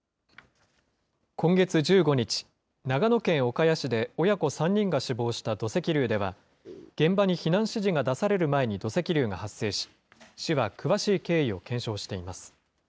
今月１５日、長野県岡谷市で親子３人が死亡した土石流では、現場に避難指示が出される前に土石流が発生し、市は詳しい経緯を検証しています。